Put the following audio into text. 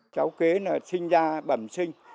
cháu kế sinh ra bầm sinh